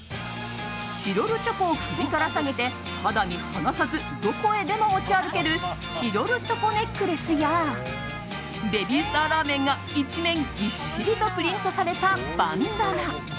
チロルチョコを首から提げて肌身離さずどこへでも持ち歩けるチロルチョコネックレスやベビースターラーメンが一面ぎっしりとプリントされたバンダナ。